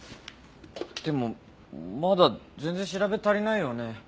でもまだ全然調べ足りないよね。